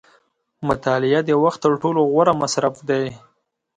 • مطالعه د وخت تر ټولو غوره مصرف دی.